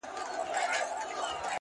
سترگي يې توري ،پر مخ يې ښكل كړه،